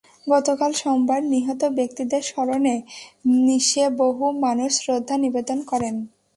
গতকাল সোমবার নিহত ব্যক্তিদের স্মরণে নিসে বহু মানুষ শ্রদ্ধা নিবেদন করেন।